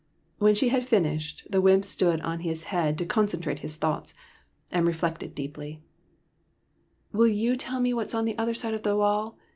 When she had finished, the wymp stood on his head SOMEBODY ELSE'S PRINCE 75 to concentrate his thoughts, and reflected deeply. " Will you tell me what is on the other side of my wall